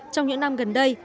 trong những năm gần đây